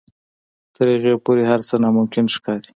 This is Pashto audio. تر هغې پورې هر څه ناممکن ښکاري.